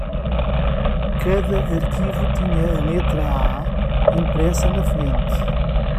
Cada arquivo tinha a letra "A" impressa na frente.